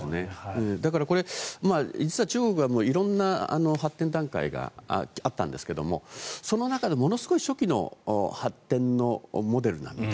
だから実は中国は色んな発展段階があたんですがその中で、ものすごい初期の発展のモデルなので